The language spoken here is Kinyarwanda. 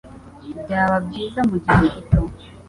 Byaba byiza mugihe gito